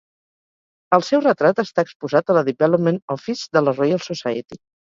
El seu retrat està exposat a la Development Office de la Royal Society.